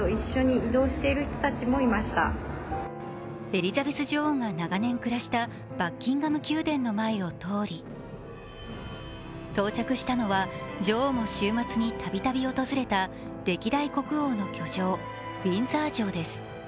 エリザベス女王が長年暮らしたバッキンガム宮殿の前を通り到着したのは、女王も週末にたびたび訪れた、歴代国王の居城、ウィンザー城です